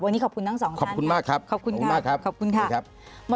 วันนี้ขอบคุณทั้งสองท่านครับขอบคุณมากครับขอบคุณค่ะขอบคุณค่ะสวัสดีครับ